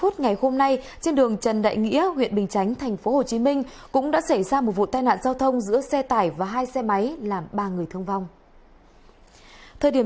các bạn hãy đăng ký kênh để ủng hộ kênh của chúng mình nhé